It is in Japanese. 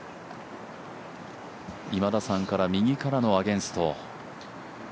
今田さんから、右からのアゲンスト。